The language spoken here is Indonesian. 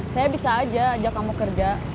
saya bisa ajak kamu kerja